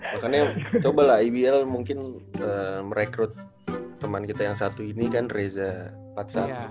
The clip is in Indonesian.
makanya coba lah ibl mungkin merekrut teman kita yang satu ini kan reza fatsah